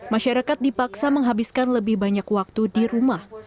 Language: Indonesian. masyarakat dipaksa menghabiskan lebih banyak waktu di rumah